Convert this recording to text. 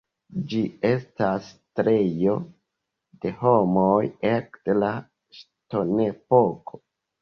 Ĝi estas setlejo de homoj ekde la Ŝtonepoko.